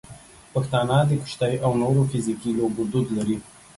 پښتانه د کشتۍ او نورو فزیکي لوبو دود لري.